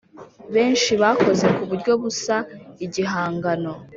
benshi bakoze ku buryo busa igihangano